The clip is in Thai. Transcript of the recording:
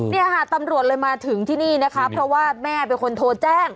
เนี่ยค่ะตำรวจเลยมาถึงที่นี่นะคะเพราะว่าแม่เป็นคนโทรแจ้ง